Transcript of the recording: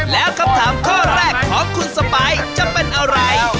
แล้วคำถามข้อแรกของคุณสปายจะเป็นอะไร